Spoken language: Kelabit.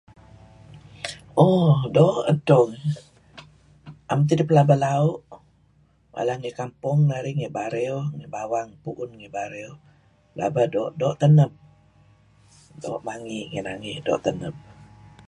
Oh doo' edto, Am tidih pelaba lau'. Mala ngi kampong narih, ngi Bario, ngi bawang puun ngi Bario laba doo' doo' taneb. Doo' mangi ngi nangey doo' taneb.